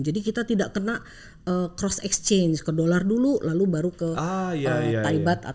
jadi kita tidak kena cross exchange ke dollar dulu lalu baru ke taibat